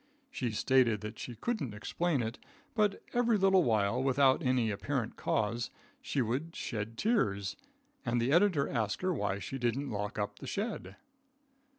She stated that she couldn't explain it, but every little while, without any apparent cause, she would shed tears, and the editor asked her why she didn't lock up the shed.